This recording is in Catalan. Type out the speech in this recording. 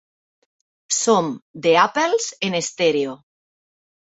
Som The Apples, en estèreo.